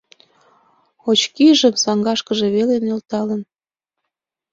Очкижым саҥгашкыже веле нӧлталын.